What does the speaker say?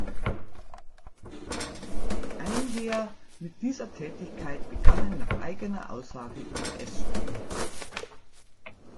Einher mit dieser Tätigkeit begannen nach eigener Aussage ihre Essstörungen.